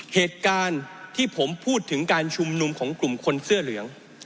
เหตุการณ์ที่ผมพูดถึงการชุมนุมของกลุ่มคนเสื้อเหลือง